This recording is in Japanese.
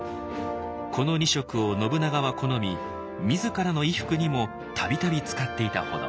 この２色を信長は好み自らの衣服にも度々使っていたほど。